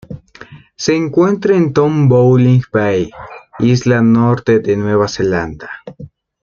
Se encuentra en Tom Bowling Bay, Isla Norte de Nueva Zelanda.